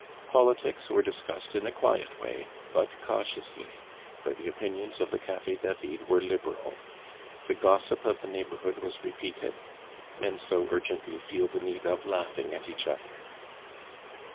Politics were discussed in a quiet way, but cautiously, for the opinions of the Cafe David were liberal. The gossip of the neighborhood was repeated, men so urgently feel the need of laughing at each other!